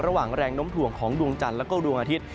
ระหว่างแรงน้มถ่วงของดวงจันทร์แล้วก็ดวงอาทิตย